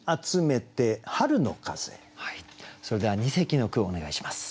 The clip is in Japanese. それでは二席の句をお願いします。